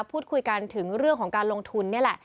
พูดคุยกันถึงเรื่องของการลงทุนนี่แหละ